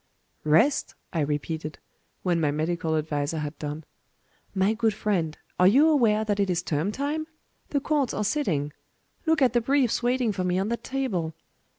"Rest!" I repeated, when my medical adviser had done. "My good friend, are you aware that it is term time? The courts are sitting. Look at the briefs waiting for me on that table!